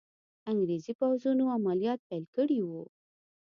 انګریزي پوځونو عملیات پیل کړي وو.